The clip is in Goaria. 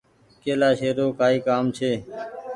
ڪيلآشي رو ڪآئي ڪآم ڇي۔